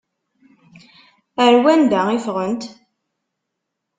Ar wanda i ffɣent?